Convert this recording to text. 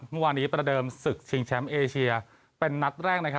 เมื่อวานนี้ประเดิมศึกชิงแชมป์เอเชียเป็นนัดแรก